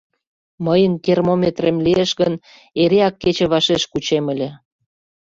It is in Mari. Мыйын термометрем лиеш гын, эреак кече вашеш кучем ыле!